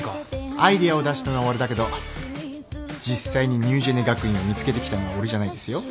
アイデアを出したのは俺だけど実際にニュージェネ学院を見つけてきたのは俺じゃないですよ。